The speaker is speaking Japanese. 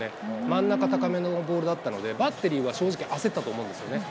真ん中高めのボールだったので、バッテリーは正直、焦ったと思うんですよね。